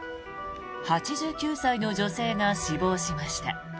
８９歳の女性が死亡しました。